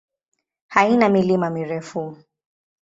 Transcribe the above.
Haina milima mirefu.